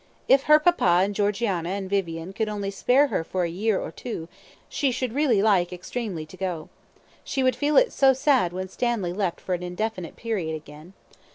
If her papa and Georgiana and Vivian could only spare her for a year or two, she should really like extremely to go. She would feel it so sad when Stanley left for an indefinite period again.